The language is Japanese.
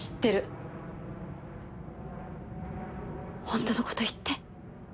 本当の事言って。